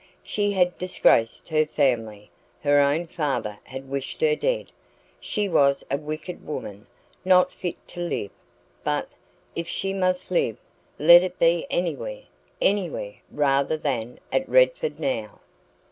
She had disgraced her family her own father had wished her dead. She was a wicked woman, not fit to live; but, if she must live, let it be anywhere anywhere rather than at Redford now!